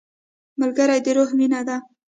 ملګری د روح وینه ده